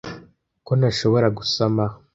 ko ntashobora gusama